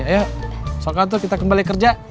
ayo sokanto kita kembali kerja